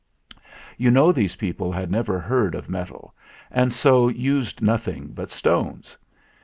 You know these people had never heard of metal, and so used nothing but stones.